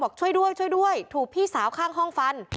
บอกช่วยด้วยถูกพี่สาวข้างห้องฟัน